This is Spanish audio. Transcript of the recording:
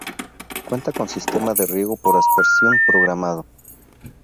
Cuenta con sistema de riego por aspersión programado.